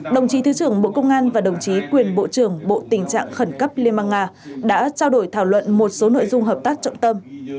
đồng chí thứ trưởng bộ công an và đồng chí quyền bộ trưởng bộ tình trạng khẩn cấp liên bang nga đã trao đổi thảo luận một số nội dung hợp tác trọng tâm